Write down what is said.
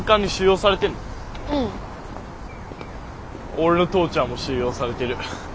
俺の父ちゃんも収容されてる。